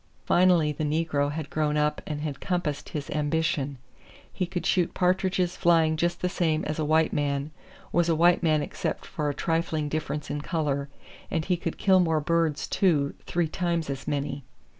Finally the negro had grown up and had compassed his ambition: he could shoot partridges flying just the same as a white man, was a white man except for a trifling difference in color; and he could kill more birds, too, three times as many.